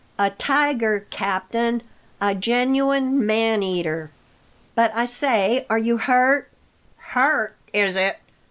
"A tiger, captain; a genuine man eater. But, I say, are you hurt?" "Hurt is it?"